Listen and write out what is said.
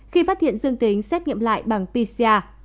khi phát hiện dương tính xét nghiệm lại bằng pcr